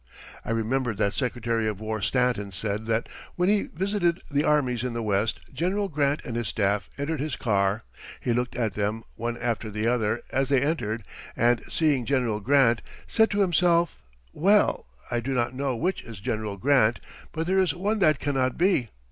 I remember that Secretary of War Stanton said that when he visited the armies in the West, General Grant and his staff entered his car; he looked at them, one after the other, as they entered and seeing General Grant, said to himself, "Well, I do not know which is General Grant, but there is one that cannot be."